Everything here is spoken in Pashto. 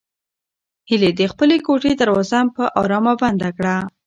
هیلې د خپلې کوټې دروازه په ارامه بنده کړه.